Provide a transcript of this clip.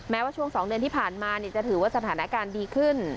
ว่าช่วง๒เดือนที่ผ่านมาจะถือว่าสถานการณ์ดีขึ้น